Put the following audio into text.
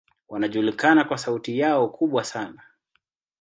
Wanajulikana kwa sauti yao kubwa sana.